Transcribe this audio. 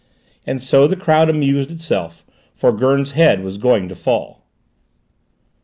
And so the crowd amused itself, for Gurn's head was going to fall.